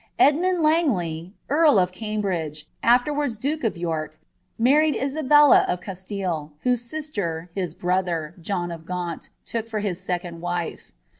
Edmund Langley, *»rl of Ounbftlin afterwards duke of York, married Isabella of Oislille, wbow dner, nl brotlict, John of Gaunt, took for his second wife.